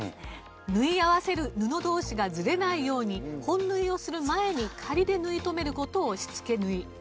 縫い合わせる布同士がずれないように本縫いをする前に仮で縫い留める事をしつけ縫い。